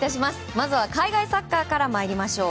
まずは海外サッカーから参りましょう。